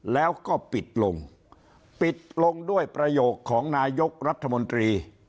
แล้วก็ปิดลงปิดลงด้วยประโยคของนายกรัฐมนตรี